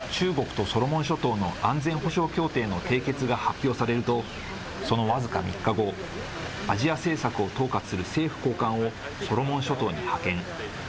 バイデン政権は中国とソロモン諸島の安全保障協定の締結が発表されると、その僅か３日後、アジア政策を統括する政府高官をソロモン諸島に派遣。